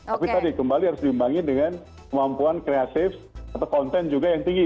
tapi tadi kembali harus diimbangi dengan kemampuan kreatif atau konten juga yang tinggi